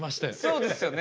そうですよね。